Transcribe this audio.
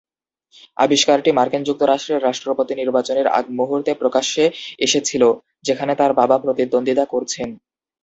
আবিষ্কারটি মার্কিন যুক্তরাষ্ট্রের রাষ্ট্রপতি নির্বাচনের আগ মুহূর্তে প্রকাশ্যে এসেছিল, যেখানে তাঁর বাবা প্রতিদ্বন্দ্বিতা করছেন।